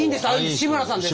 志村さんです。